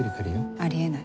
あり得ない。